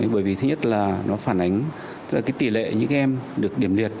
bởi vì thứ nhất là nó phản ánh tỷ lệ những em được điểm liệt